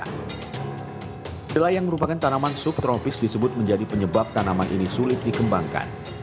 kedelai yang merupakan tanaman subtropis disebut menjadi penyebab tanaman ini sulit dikembangkan